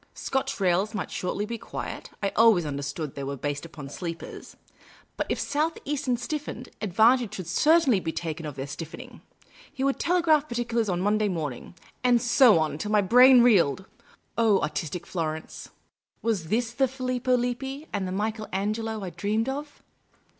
Scotch rails might shortly be quiet — I always understood they were based upon sleepers ; but if South Eastern stiffened, advan HE WKNT ON DICTATING FOK JUST AN HOUR. tage should certainly be taken of their vStiffening. He would telegraph particulars on Monday morning. And so on till my brain reeled. Oh, artistic Florence! was this the Filippo Lippi, the Michael Angelo I dreamed of?